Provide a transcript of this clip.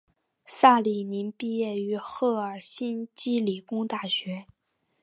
萨里宁毕业于赫尔辛基理工大学。